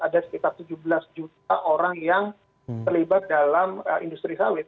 ada sekitar tujuh belas juta orang yang terlibat dalam industri sawit